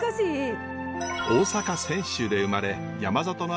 大阪泉州で生まれ山里の